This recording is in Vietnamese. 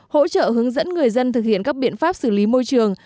hỗ trợ hướng dẫn người dân thực hiện các biện pháp xử lý môi trường